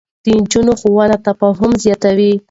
د نجونو ښوونه تفاهم زياتوي.